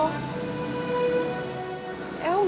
emang bener dia nyariin aku